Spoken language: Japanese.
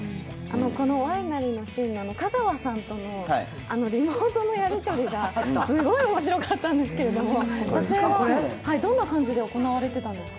このワイナリーのシーンの香川さんとのリモートのやり取りがすごい面白かったんですけど、撮影はどんな感じで行われていたんですか？